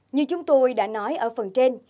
như chúng tôi đã nói ở phần trên